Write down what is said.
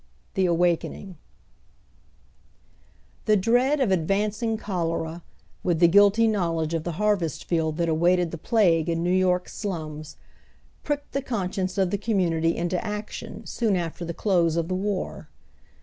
THE AWAKENING, THE dread of advancing eiiolera, with the guilty knowl edge of the harvest field that awaited the plague in New York's slums, pricked the conscience of the eoinnni nitj into action soon after the close of the war.